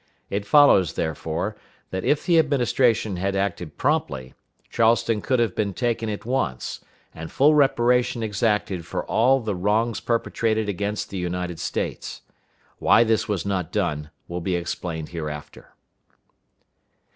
It follows, therefore, that if the Administration had acted promptly, Charleston could have been taken at once, and full reparation exacted for all the wrongs perpetrated against the United States. Why this was not done will be explained hereafter.